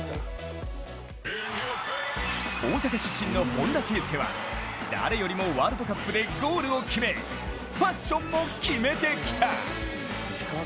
大阪出身の本田圭佑は誰よりもワールドカップでゴールを決め、ファッションもキメてきた。